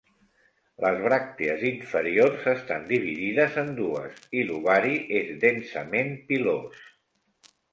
Les bràctees inferiors estan dividides en dues i l'ovari és densament pilós.